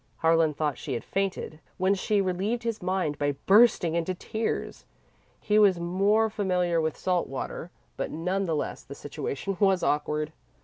Harlan thought she had fainted, when she relieved his mind by bursting into tears. He was more familiar with salt water, but, none the less, the situation was awkward.